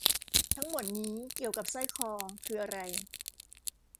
ทั้งหมดนี้เกี่ยวกับสร้อยคอคืออะไร ?